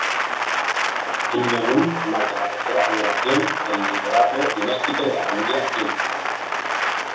Kim Jong-un marca la tercera generación del liderazgo dinástico de la familia Kim.